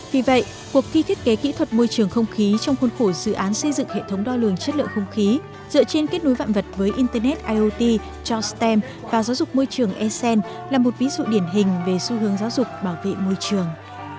vì vậy cuộc thi thiết kế kỹ thuật môi trường không khí trong khuôn khổ dự án xây dựng hệ thống đo lường chất lượng không khí dựa trên kết nối vạn vật với internet iot cho stem và giáo dục môi trường esen là một ví dụ điển hình về xu hướng giáo dục bảo vệ môi trường